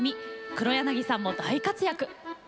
黒柳さんも大活躍。